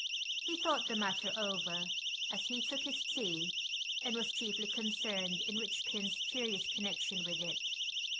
He thought the matter over, as he took his tea, and was chiefly concerned in Eichpin's curious con nexion with it.